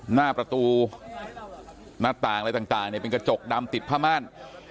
หน้าประตูหน้าต่างอะไรต่างเป็นกระจกดำติดผ้าม่าน